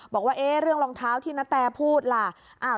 บอกว่าเรื่องรองเท้าที่นาแตพูดล่ะ